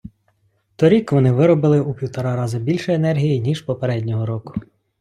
Торік вони виробили у півтора раза більше енергії, ніж попереднього року.